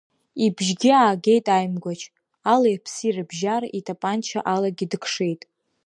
Ибжьгьы аагеит аимгәач, алеи-аԥси рыбжьара итапанча алагьы дықшеит.